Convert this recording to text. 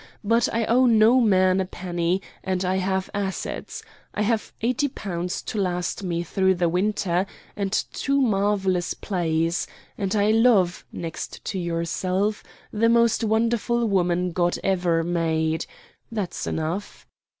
But I owe no man a penny and I have assets I have L80 to last me through the winter and two marvellous plays; and I love, next to yourself, the most wonderful woman God ever made. That's enough."